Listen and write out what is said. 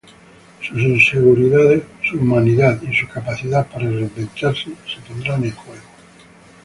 Sus inseguridades, su humanidad y su capacidad para reinventarse se pondrán en juego.